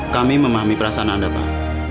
kami memahami perasaan anda pak